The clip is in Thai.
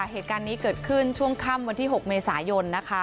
เหตุการณ์นี้เกิดขึ้นช่วงค่ำวันที่๖เมษายนนะคะ